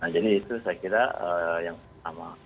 jadi itu saya kira yang pertama